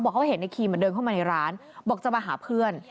บอกว่าเขาเห็นไอ้คิมเดินเข้ามาในร้านบอกจะมาหาเพื่อน